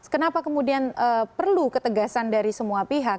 kenapa kemudian perlu ketegasan dari semua pihak